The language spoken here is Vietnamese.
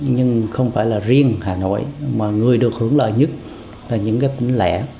nhưng không phải là riêng hà nội mà người được hưởng lợi nhất là những cái tỉnh lẻ